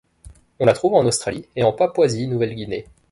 On la trouve en Australie et en Papouasie-Nouvelle-Guinée.